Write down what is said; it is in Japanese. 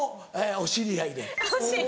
お知り合いで。